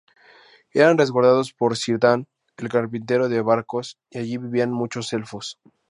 Eran resguardados por Círdan el Carpintero de Barcos y allí vivían muchos elfos.